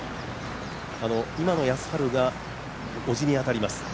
今野康晴がおじにあたります。